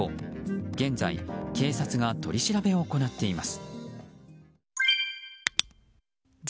現在、警察が取り調べを行っています。